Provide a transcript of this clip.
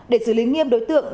để xử lý nghiêm đối tượng